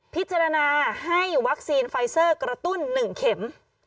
พิจารณาให้วัคซีนไฟเซอร์กระตุ้น๑เข็ม